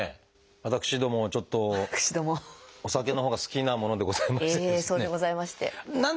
私どもちょっとお酒のほうが好きなものでございましてですね。